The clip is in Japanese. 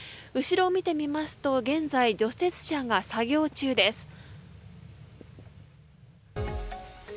後ろを見てみますと現在、除雪車が作業中です。